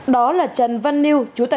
đó là trần văn niu chú tài sản